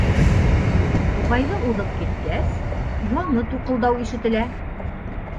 Туғайҙы уҙып киткәс, яңы туҡылдау ишетелә.